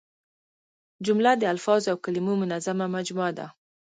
جمله د الفاظو او کلیمو منظمه مجموعه ده.